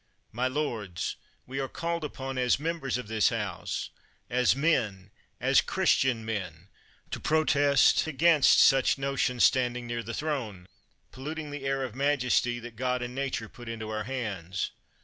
My lords, we are called upon as members of this House, as men, as Christian men, to pro test against such notions standing near the Throne, polluting the ar of majesty. "That God and nature put into our hands!"